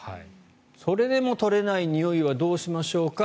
それでも取れないにおいはどうしましょうか。